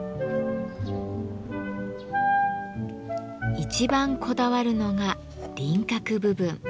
一番こだわるのが輪郭部分。